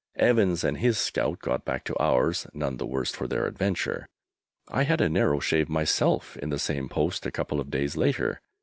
Evans and his scout got back to ours, none the worse for their adventure. I had a narrow shave myself in this same post a couple of days later.